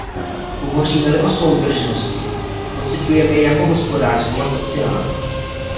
Hovoříme-li o soudržnosti, pociťujeme ji jako hospodářskou a sociální.